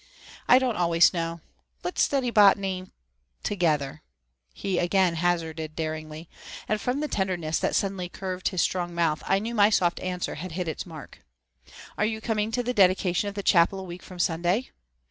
"I don't always know. Let's study botany together," he again hazarded daringly, and from the tenderness that suddenly curved his strong mouth I knew my soft answer had hit its mark. "Are you coming to the dedication of the chapel a week from Sunday?"